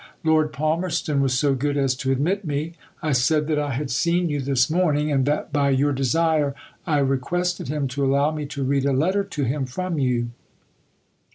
Lord Palmerston was so good as to admit me. I said that I had seen you this morning, and that by your desire I requested him to allow me to read a letter to him from you.